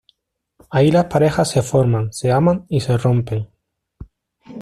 Ahí las parejas se forman, se aman, y se rompen…